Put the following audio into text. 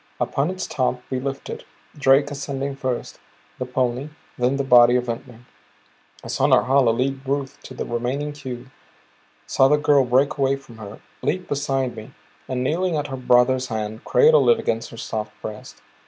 Upon its top we lifted, Drake ascending first, the pony; then the body of Ventnor. I saw Norhala lead Ruth to the remaining cube; saw the girl break away from her, leap beside me, and kneeling at her brother's head, cradle it against her soft breast.